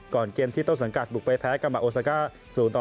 ก่อนเกมที่ต้นสังกัดบุกไปแพ้กับออสเกอร์๐๕